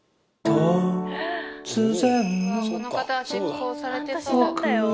この方は実行されてそう。